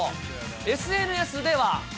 ＳＮＳでは。